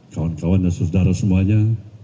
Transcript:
kawan kawan dan saudara semuanya